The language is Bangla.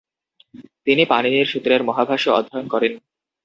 তিনি পাণিনির সূত্রের মহাভাষ্য অধ্যয়ন করেন।